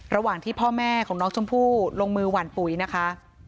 ระหว่างที่พ่อแม่ของน้องชมพู่ลงมือหวั่นปุ๋ยนะคะ